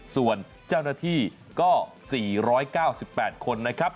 ส่วนเจ้าหน้าที่ก็๔๙๘คนนะครับ